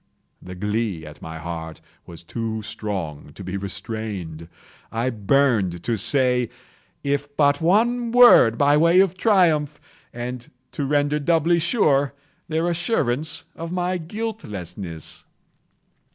The glee at my heart was too strong to be restrained. I burned to say if but one word, by way of triumph, and to render doubly sure their assurance of my guiltlessness.